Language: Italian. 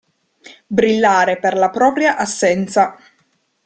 Brillare per la propria assenza.